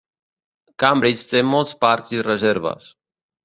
Cambridge té molts parcs i reserves.